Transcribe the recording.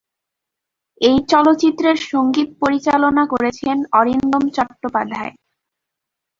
এই চলচ্চিত্রের সংগীত পরিচালনা করেছেন অরিন্দম চট্টোপাধ্যায়।